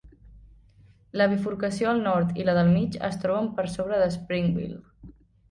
La bifurcació al nord i la del mig es troben per sobre de Springville.